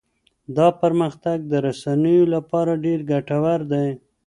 دا پرمختګ د رسنيو لپاره ډېر ګټور دی.